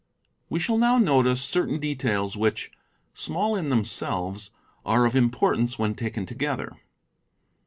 We shall now notice certain details which, small in themselves, are of importance when taken together.